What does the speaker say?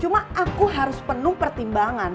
cuma aku harus penuh pertimbangan